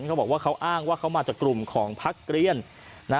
เขาบอกว่าเขาอ้างว่าเขามาจากกลุ่มของพักเกลี้ยน